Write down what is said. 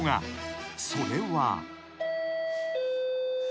［それは］